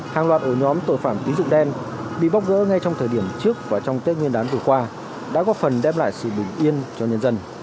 hàng loạt ổ nhóm tội phạm tiến dụng đen bị bóc vỡ ngay trong thời điểm trước và trong tiết nguyên đán vừa qua đã có phần đem lại sự bình yên cho nhân dân